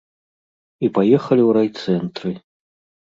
І паехалі ў райцэнтры.